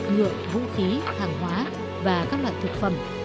nhựa vũ khí hàng hóa và các loại thực phẩm